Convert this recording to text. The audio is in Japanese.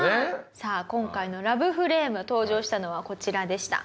さあ今回のラブフレーム登場したのはこちらでした。